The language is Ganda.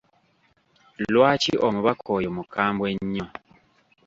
Lwaki omubaka oyo mukambwe nnyo?